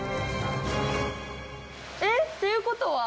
えっということは？